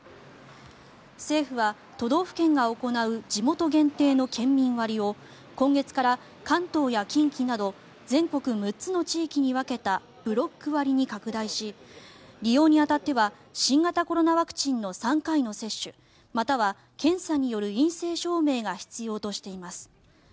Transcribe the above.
政府は都道府県が行う地元限定の県民割を今月から関東から近畿など全国６つの地域に分けたブロック割に拡大し利用に当たっては新型コロナワクチンの３回の接種または検査による陰性証明が必要としています。